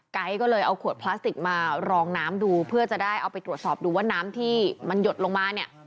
ก็เลยเอาขวดพลาสติกมารองน้ำดูเพื่อจะได้เอาไปตรวจสอบดูว่าน้ำที่มันหยดลงมาเนี่ย